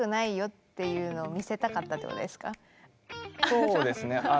そうですね。